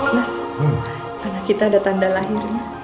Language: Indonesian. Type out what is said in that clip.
mas anak kita ada tanda lahirnya